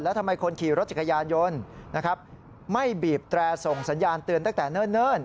แล้วทำไมคนขี่รถจักรยานยนต์นะครับไม่บีบแตรส่งสัญญาณเตือนตั้งแต่เนิ่น